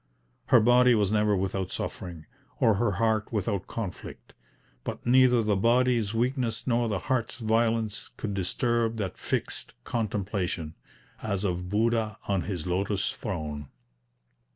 Her body was never without suffering, or her heart without conflict; but neither the body's weakness nor the heart's violence could disturb that fixed contemplation, as of Buddha on his lotus throne.